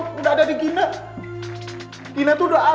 tidak ada yang bisa dikira